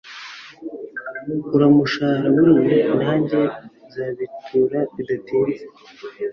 uramushahara buriya najye nzabitura bidatinze